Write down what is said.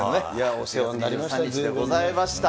お世話になりました。